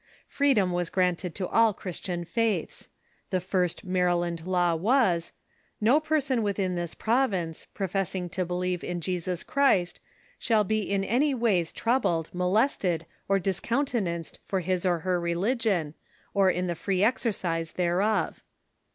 Freedom was granted to all Christian faiths. The first Maryland law was :" No person within this province, pro fessing to believe in Jesus Christ, shall be in any ways troubled, molested, or discountenanced for his or her religion, or in the free exercise thereof."